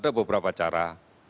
ada beberapa cara